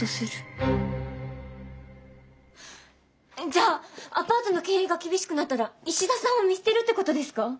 じゃあアパートの経営が厳しくなったら石田さんを見捨てるってことですか？